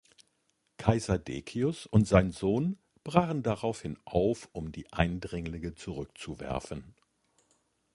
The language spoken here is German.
Kaiser Decius und sein Sohn brachen daraufhin auf, um die Eindringlinge zurückzuwerfen.